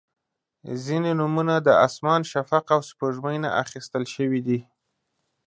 • ځینې نومونه د اسمان، شفق، او سپوږمۍ نه اخیستل شوي دي.